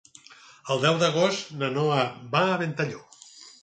El deu d'agost na Noa va a Ventalló.